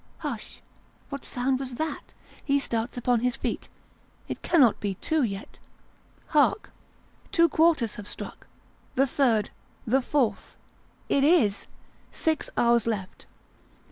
Hush ! what sound was that ? He starts upon his feet. It cannot be two yet. Hark ! Two quarters have struck ; the third the fourth. It is ! Six hours left.